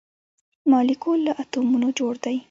مالیکول له اتومونو جوړ دی